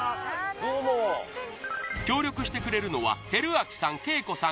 どうも協力してくれるのは輝旭さん慶子さん